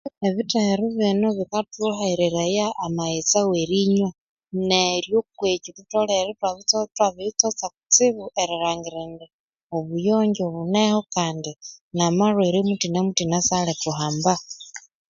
Ebithehero bino bikathuhereraya amaghetse awerinywa, neryo okwekyo thutholere ithwa biyi bitsotsa kutsibu erilangira indi obuyonjo buneho kandi na malhwere muthina-muthina syali thuhamna